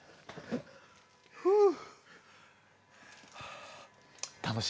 ふう。